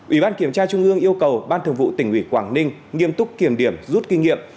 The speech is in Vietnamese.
ủy ban kiểm tra trung ương yêu cầu ban thường vụ tỉnh ủy quảng ninh nghiêm túc kiểm điểm rút kinh nghiệm